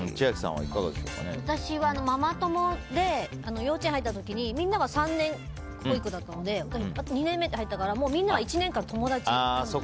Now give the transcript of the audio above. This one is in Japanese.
私はママ友で幼稚園入った時にみんなは３年保育だったので私は２年目で入ったからもう、みんな１年間友達で。